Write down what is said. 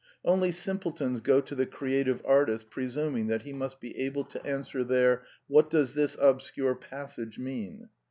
Only simpletons go to the creative artist presuming that he must be able to answer their " What docs this obscure passage mean?"